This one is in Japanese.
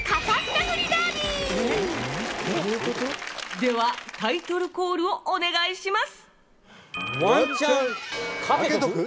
ではタイトルコールをお願いします。